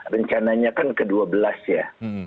rencananya kan ke dua belas ya